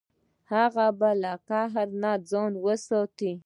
هغه ﷺ به له قهر نه ځان ساته.